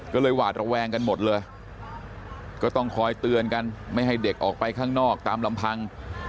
ก็เลยหวาดระแวงกันหมดเลยก็ต้องคอยเตือนกันไม่ให้เด็กออกไปข้างนอกตามลำพัง